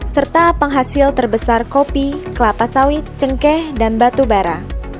serta penghasil terbesar kopi kelapa sawit cengkeh dan batu bara